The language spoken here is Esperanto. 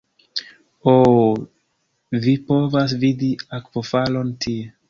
Oh vi povas vidi akvofalon tie